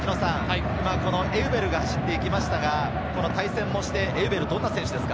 エウベルが走っていきましたが、対戦してエウベルはどんな選手ですか？